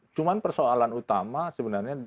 cuma persoalan utama sebenarnya